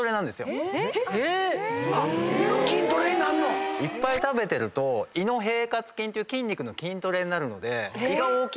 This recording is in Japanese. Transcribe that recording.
胃の筋トレになんの⁉いっぱい食べてると胃の平滑筋っていう筋肉の筋トレになるので。